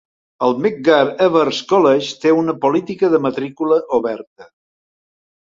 El Medgar Evers College té una política de matrícula oberta.